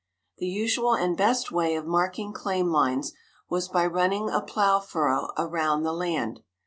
The usual and best way of marking claim lines, was by running a plow furrow around the land.